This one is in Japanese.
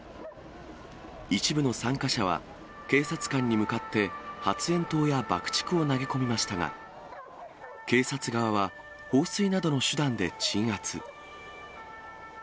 一部の参加者は、警察官に向かって発炎筒や爆竹を投げ込みましたが、警察側は放水などの手段で鎮圧。